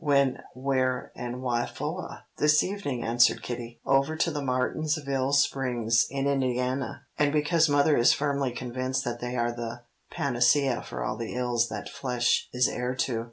"When, where and whyfoah?" "This evening," answered Kitty, "over to the Martinsville Springs in Indiana, and because mother is firmly convinced that they are the panacea for all the ills that flesh is heir to.